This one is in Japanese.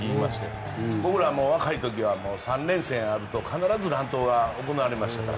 僕らも若い時は３連戦あると必ず乱闘が行われましたから。